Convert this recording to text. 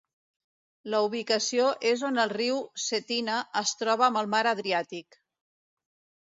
La ubicació és on el riu Cetina es troba amb el mar Adriàtic.